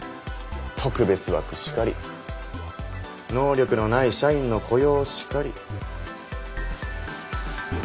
特別枠しかり能力のない社員の雇用しかり。